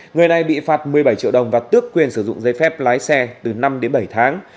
người này bị phạt một mươi bảy triệu đồng và tước quyền sử dụng giấy phép lái xe từ năm đến bảy tháng